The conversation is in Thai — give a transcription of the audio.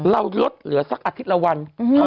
ลดเหลือสักอาทิตย์ละวัน